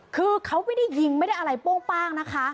คือเขาไม่ได้ยิงไม่ได้อะไรโป้งป้างนะคะ